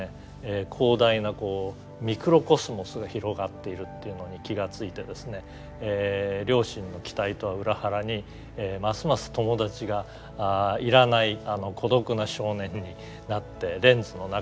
広大なミクロコスモスが広がっているっていうのに気が付いてですね両親の期待とは裏腹にますます友達がいらない孤独な少年になってレンズの中に吸い込まれてしまっていたんですね。